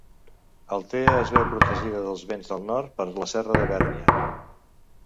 Altea es veu protegida dels vents del nord per la serra de Bèrnia.